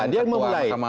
dia yang memulai